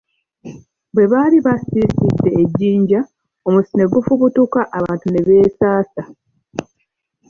Bwe baali basiisidde e Jjinja, omusu ne gufubutuka abantu ne beesasa.